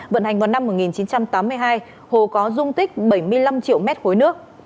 vận hành vào năm một nghìn chín trăm tám mươi hai hồ có dung tích bảy mươi năm triệu m ba nước